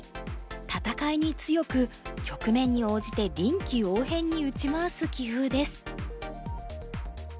戦いに強く局面に応じて臨機応変に打ち回す棋風です。